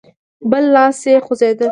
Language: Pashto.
بل لاس يې خوځېده.